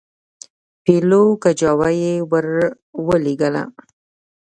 پیلو کجاوه یې ورولېږله.